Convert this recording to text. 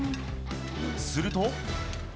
すると。